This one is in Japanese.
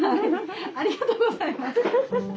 ありがとうございます。